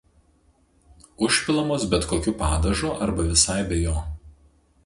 Užpilamos bet kokiu padažu arba visai be jo.